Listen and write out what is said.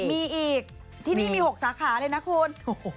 มีอีกที่นี่มี๖สาขาเลยนะคุณ